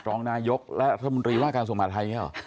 สองนายกและธรรมดีว่าการสมัครไทยใช่หรือ